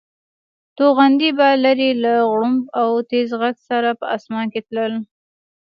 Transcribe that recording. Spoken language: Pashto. توغندي به لرې له غړومب او تېز غږ سره په اسمان کې تلل.